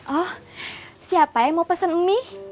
oh siapa yang mau pesen mie